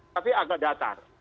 tapi agak datar